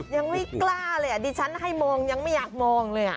ยังไม่กล้าเลยอ่ะดิฉันให้มองยังไม่อยากมองเลย